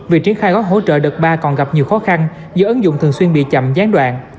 việc triển khai gói hỗ trợ đợt ba còn gặp nhiều khó khăn do ứng dụng thường xuyên bị chậm gián đoạn